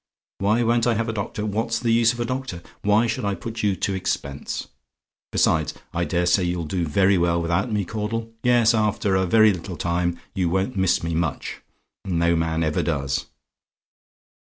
"WHY WON'T I HAVE A DOCTOR? "What's the use of a doctor? Why should I put you to expense? Besides, I dare say you'll do very well without me, Caudle: yes, after a very little time you won't miss me much no man ever does.